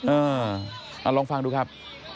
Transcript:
ลองฟังดูครับ